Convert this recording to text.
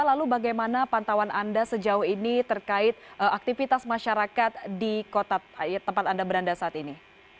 lalu bagaimana pantauan anda sejauh ini terkait aktivitas masyarakat di tempat anda berada saat ini